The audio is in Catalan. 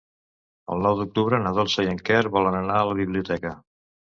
El nou d'octubre na Dolça i en Quer volen anar a la biblioteca.